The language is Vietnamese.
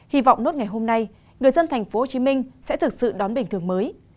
hy vọng nốt ngày hôm nay người dân tp hcm sẽ thực sự đón bình thường mới